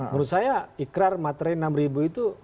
menurut saya ikrar materai enam ribu itu